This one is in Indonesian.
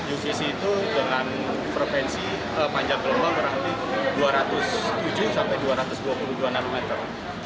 uvc itu dengan frevensi panjang gelombang berarti dua ratus tujuh sampai dua ratus dua puluh dua nanometer